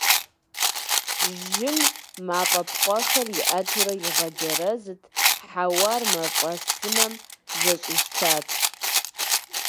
Жьым мафӀэ пкъохэр иӀэтурэ игъэджэрэзырт, хьэуар мафӀэсымэм зэщӀищтат.